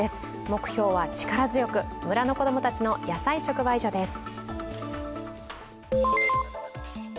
目標は力強く、村の子供たちの野菜直売所です。